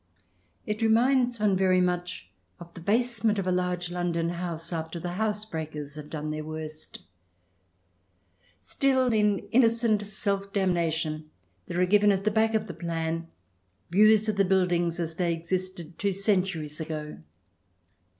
It re minds one very much of the basement of a large Lon don house after the house breakers have done their worst. Still, in innocent self damnation, there are given, at the back of the plan, views of the buildings 276 THE DESIRABLE ALIEN [ch. xx as they existed two centuries ago.